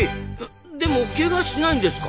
でもケガしないんですか？